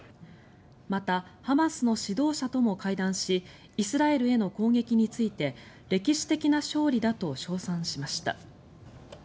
また、ハマスの指導者とも会談しイスラエルへの攻撃について歴史的な勝利だと称賛しました。